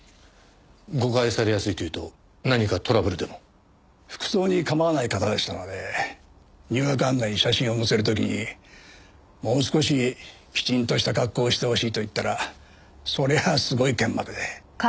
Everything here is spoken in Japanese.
誤解されやすいというと何かトラブルでも？服装に構わない方でしたので入学案内に写真を載せる時にもう少しきちんとした格好をしてほしいと言ったらそりゃあすごい剣幕で。